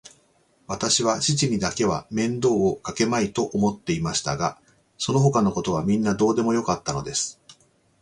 わたしは父にだけは面倒をかけまいと思っていましたが、そのほかのことはみんなどうでもよかったのです。